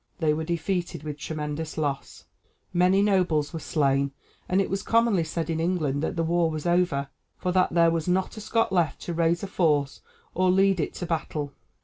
They were defeated with tremendous loss; many nobles were slain, and it was commonly said in England that the war was over, for that there was not a Scot left to raise a force or lead it to battle.